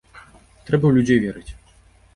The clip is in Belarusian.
Трэба ў людзей верыць!